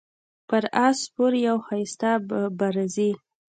پر اس سپور یو ښایسته به راځي